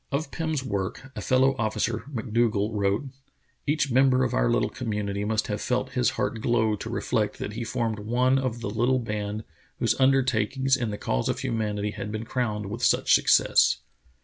Of Pirn's work a fellow officer, McDougal, wrote: Each member of our little community must have felt his heart glow to reflect that he formed one of the little band whose undertakings in the cause of humanity had been crowned with such success."